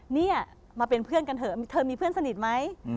เนี่ยมาเป็นเพื่อนกันเถอะเธอมีเพื่อนสนิทไหม